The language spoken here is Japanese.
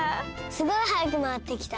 すごい早くまわってきた。